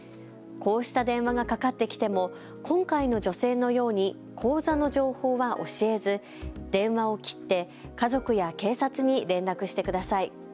こうした電話がかかってきても今回の女性のように口座の情報は教えず電話を切って家族や警察に連絡してください。